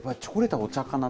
お茶？